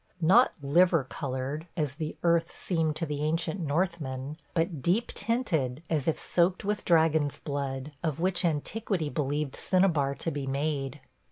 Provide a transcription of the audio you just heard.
Not "liver colored," as the earth seemed to the ancient Northmen, but deep tinted as if soaked with dragon's blood, of which antiquity believed cinnabar to be made.